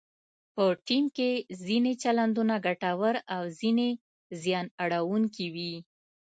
په ټیم کې ځینې چلندونه ګټور او ځینې زیان اړونکي وي.